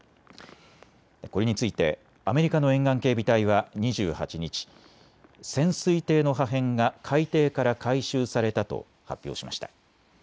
これについてアメリカの沿岸警備隊は２８日、潜水艇の破片が海底から回収されたと発表しました。